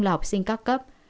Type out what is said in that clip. là học sinh các cấp